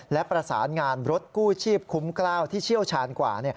และประสานงานรถกู้ชีพคุ้มกล้าวที่เชี่ยวชาญกว่า